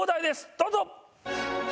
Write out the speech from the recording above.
どうぞ！